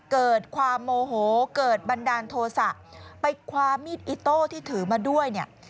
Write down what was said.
เกิดความโมโหเกิดบันดาลโทษะไปคว้ามีดอิโต้ที่ถือมาด้วยเนี่ย